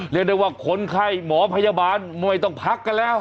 เรียกได้ว่าคนไข้หมอพยาบาลไม่ต้องพักกันแล้ว